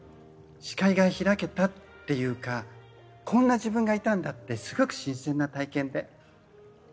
視界が開けたっていうかこんな自分がいたんだってすごく新鮮な体験で。